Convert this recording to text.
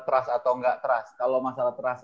trust atau enggak trust kalau masalah trust